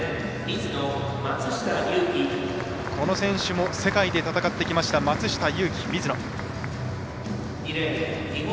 この選手も、世界で戦ってきました松下祐樹、ミズノ。